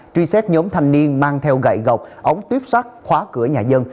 truy xét nhóm thanh niên mang theo gậy gọc ống tuyếp sắt khóa cửa nhà dân